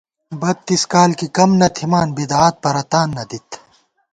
بَتّیس کال کی کم نہ تھِمان بدعات پرَتان نہ دِت